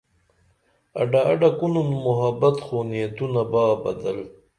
اڈہ اڈہ کُنُن محبت خو نیتونہ با بدل